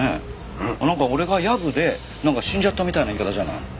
俺がヤブで死んじゃったみたいな言い方じゃない？